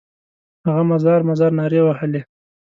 هغه مزار مزار نارې وهلې.